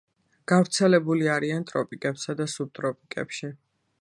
გავრცელებული არიან ტროპიკებსა და სუბტროპიკებში.